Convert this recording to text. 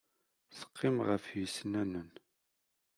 Teqqim ɣef yisennanen.